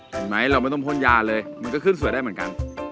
เห็นไหมเราไม่ต้องพ่นยาเลยมันก็ขึ้นสวยได้เหมือนกัน